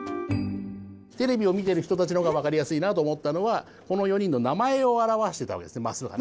テレビを見てる人たちのほうがわかりやすいなと思ったのはこの４人の名前をあらわしてたわけですねマスがね。